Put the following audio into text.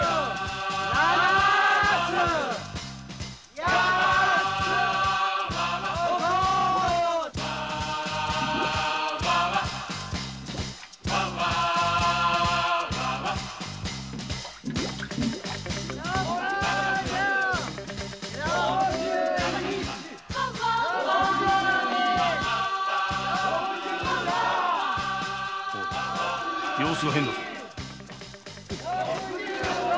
おい様子が変だぞ。